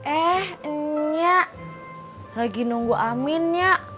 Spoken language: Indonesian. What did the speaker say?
eh nya lagi nunggu amin nya